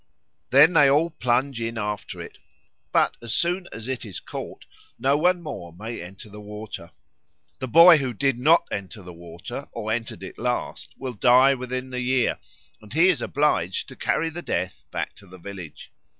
Then they all plunge in after it; but as soon as it is caught no one more may enter the water. The boy who did not enter the water or entered it last will die within the year, and he is obliged to carry the Death back to the village.